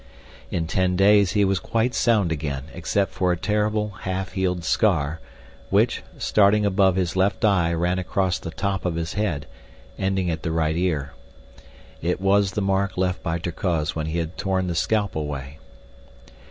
In ten days he was quite sound again, except for a terrible, half healed scar, which, starting above his left eye ran across the top of his head, ending at the right ear. It was the mark left by Terkoz when he had torn the scalp away.